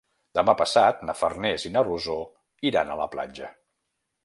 Demà passat na Farners i na Rosó iran a la platja.